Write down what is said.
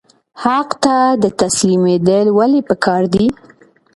حق ته تسلیمیدل ولې پکار دي؟